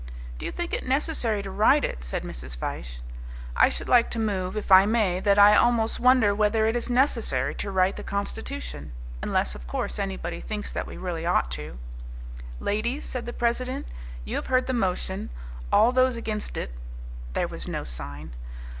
"Do you think it necessary to write it?" said Mrs. Fyshe. "I should like to move, if I may, that I almost wonder whether it is necessary to write the constitution unless, of course, anybody thinks that we really ought to." "Ladies," said the president, "you have heard the motion. All those against it " There was no sign.